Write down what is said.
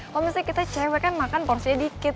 kalau misalnya kita cewek kan makan porsinya dikit